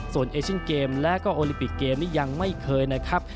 ส่วนเอเชียนเกมและก็โอลิปิกเกมนี้ยังไม่เคยนะครับ